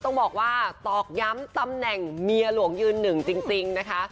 ต้องบอกว่าตอกย้ำตำแหน่งเมียหลวงยืนหนึ่งจริงนะคะ